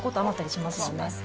しますね。